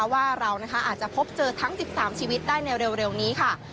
ว่าเราอาจจะพบเจอทั้ง๑๓ชีวิตได้ในเร็วนี้ค่ะ